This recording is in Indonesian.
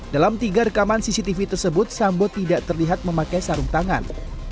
dalam tiga rekaman cctv tersebut sambo tidak terlihat memakai sarung tangan